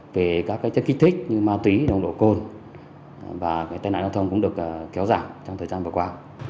về các cái chất kích thích như ma túy nông độ côn và cái tai nạn giao thông cũng được kéo giảm trong thời gian vừa qua